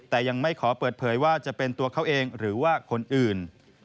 แต่ยังไม่ขอเปิดเผยว่าจะเป็นตัวเขาเองหรือว่าคนอื่น